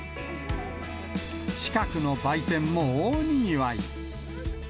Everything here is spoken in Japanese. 近くの売店も大にぎわい。